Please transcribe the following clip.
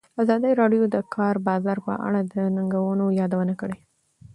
ازادي راډیو د د کار بازار په اړه د ننګونو یادونه کړې.